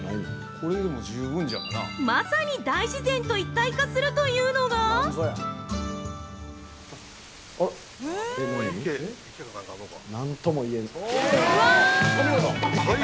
まさに、大自然と一体化するというのが◆何とも言えん